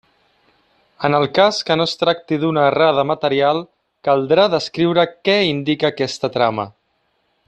En el cas que no es tracti d'una errada material, caldrà descriure què indica aquesta trama.